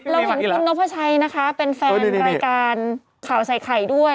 เราเห็นคุณนพชัยนะคะเป็นแฟนรายการข่าวใส่ไข่ด้วย